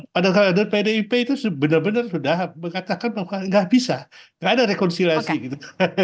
padahal pdip itu benar benar sudah mengatakan bahwa nggak bisa nggak ada rekonsiliasi gitu